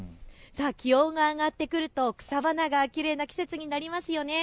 気温が上がってくると、草花がきれいな季節になりますよね。